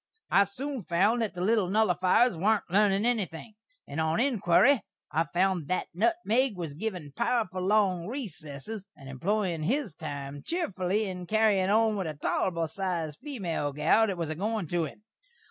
I soon found that the little nullifiers warn't lernin' enything, and on inquiry I found that nutmeg was a givin' powerful long recessess, and employin' his time cheefly in carryin' on with a tolerbul sized female gal that was a goin' to him.